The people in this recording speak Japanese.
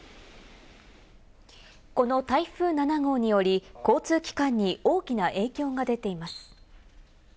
この台風７号により交通機関に大きな影響が出ています。